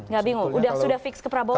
enggak bingung sudah fix ke prabowo ya